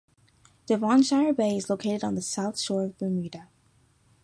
Devonshire Bay is located on the South shore of Bermuda.